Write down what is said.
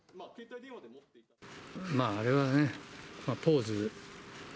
まあ、あれはね、ポーズ。